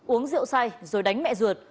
uống rượu say rồi đánh mẹ ruột